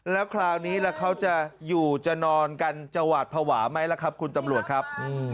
แล้วคราวนี้แล้วเขาจะอยู่จะนอนกันจะหวาดภาวะไหมล่ะครับคุณตำรวจครับ